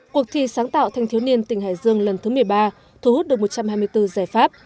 cuộc thi sáng tạo thanh thiếu niên tỉnh hải dương lần thứ một mươi ba thu hút được một trăm hai mươi bốn giải pháp